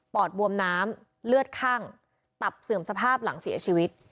อดบวมน้ำเลือดคั่งตับเสื่อมสภาพหลังเสียชีวิต